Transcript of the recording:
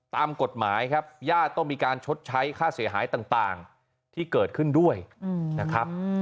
ตามกฎหมายครับญาติต้องมีการชดใช้ค่าเสียหายต่างที่เกิดขึ้นด้วยนะครับ